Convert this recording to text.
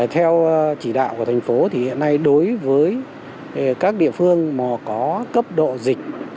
theo chỉ đạo của thành phố thì hiện nay đối với các địa phương mà có cấp độ dịch một hai